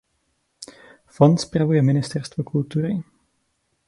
Fond spravuje Ministerstvo kultury.